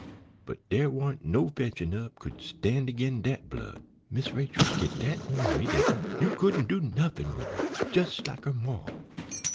But dere warn't no fetching up could stand agin dat blood. Miss Rachel 'd git dat ornery dat you could n't do nuffin wid her, jes' like her maw.